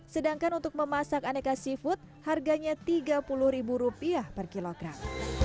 sedangkan untuk memasak aneka seafood harganya rp tiga puluh per kilogram